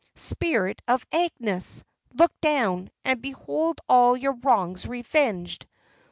Spirit of Agnes! look down, and behold all your wrongs revenged!